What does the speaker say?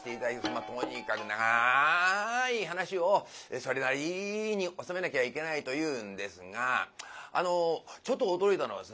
まっとにかくながい噺をそれなりに収めなきゃいけないというんですがあのちょっと驚いたのはですね